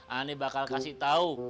ani bakal kasih tau